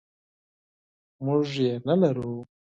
موږ یې نلرو.